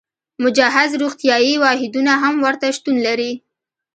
مجهز روغتیايي واحدونه هم ورته شتون لري.